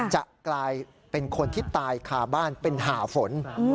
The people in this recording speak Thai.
จะกลายเป็นคนที่ตายคาบ้านเป็นหาฝน